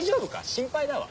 心配だわ。